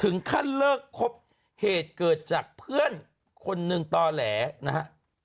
ขั้นเลิกคบเหตุเกิดจากเพื่อนคนหนึ่งต่อแหลนะฮะ